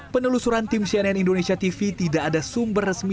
penelusuran tim cnn indonesia tv tidak ada sumber resmi